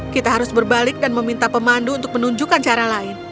kita harus berbalik dan meminta pemandu untuk menunjukkan cara lain